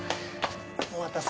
お待たせ。